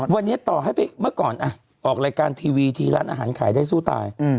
วันนี้ต่อให้ไปเมื่อก่อนออกรายการทีวีทีร้านอาหารขายได้สู้ตาย